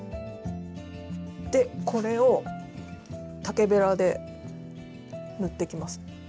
でこれを竹べらで塗ってきます。